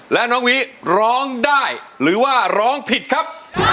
และน้องวิร้องได้หรือว่าร้องผิดครับ